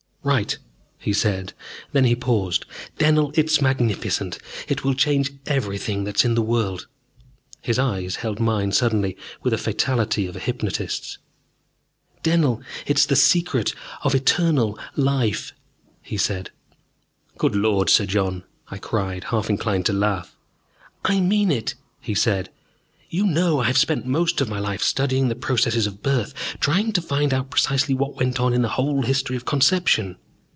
"Right," he said. Then he paused. "Dennell, it's magnificent! It will change everything that is in the world." His eyes held mine suddenly with the fatality of a hypnotist's. "Dennell, it is the Secret of Eternal Life," he said. "Good Lord, Sir John!" I cried, half inclined to laugh. "I mean it," he said. "You know I have spent most of my life studying the processes of birth, trying to find out precisely what went on in the whole history of conception."